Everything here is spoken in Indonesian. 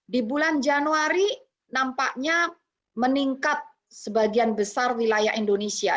di bulan januari nampaknya meningkat sebagian besar wilayah indonesia